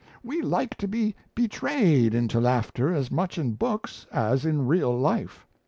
We like to be betrayed into laughter as much in books as in real life.